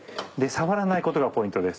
触らないことがポイントです。